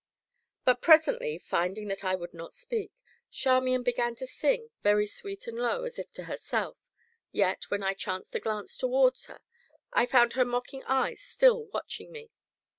But presently, finding that I would not speak, Charmian began to sing, very sweet and low, as if to herself, yet, when I chanced to glance towards her, I found her mocking eyes still watching me.